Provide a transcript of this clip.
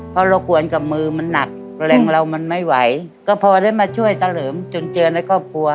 เพราะเรากวนกับมือมันหนักแรงเรามันไม่ไหวก็พอได้มาช่วยเฉลิมจนเจอในครอบครัว